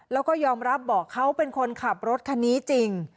แล้วก็ยอมรับบอกเขาเป็นคนขับรถคันนี้จริง